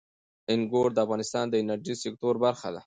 انګور د افغانستان د انرژۍ سکتور برخه ده.